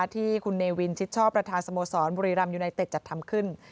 ที่คุณเนวินชิดชอบประธานสโมสรบุรีรำยูไนเต็ดจัดทำขึ้น